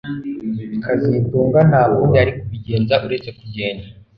kazitunga nta kundi yari kubigenza uretse kugenda